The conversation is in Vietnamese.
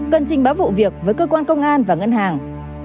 cần trình báo vụ việc với cơ quan công an và ngân hàng